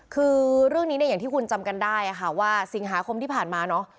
คือเรื่องนี้เนี่ยอย่างที่คุณจำกันได้ค่ะว่าสิงหาคมที่ผ่านมาเนาะ